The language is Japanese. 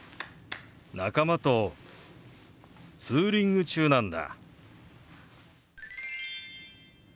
仲間とツーリング中なんだ。